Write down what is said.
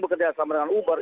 bekerja sama dengan uber